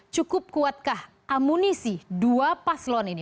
cukup kuatkah amunisi dua paslon ini